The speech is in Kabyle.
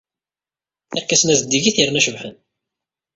Arkasen-a zeddigit yerna cebḥen.